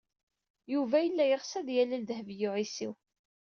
Yuba yella yeɣs ad yalel Dehbiya u Ɛisiw.